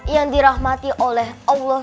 yang dirahmati oleh allah